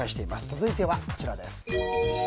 続いてはこちらです。